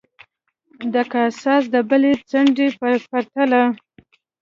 د کاساس د بلې څنډې په پرتله.